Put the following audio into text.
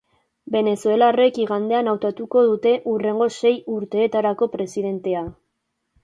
Venezuelarrek igandean hautatuko dute hurrengo sei urteetarako presidentea.